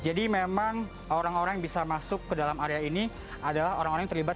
jadi memang orang orang yang bisa masuk ke dalam area ini adalah orang orang yang terlibat